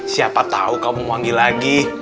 siapa tau kamu manggil lagi